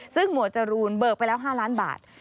ซึ่งหมวดจรูนเบิกไปแล้ว๕ล้านบาท